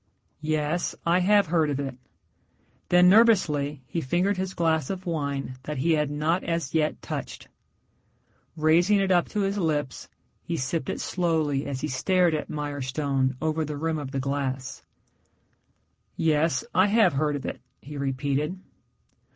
"Yes. I have heard of it." Then nervously he fingered his glass of wine that he had not as yet touched. Raising it up to his lips he sipped it slowly as he stared at Mirestone over the rim of the glass. "Yes. I have heard of it," he repeated.